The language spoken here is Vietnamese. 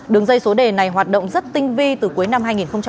đường dây số đề này hoạt động rất tinh vi từ cuối năm hai nghìn hai mươi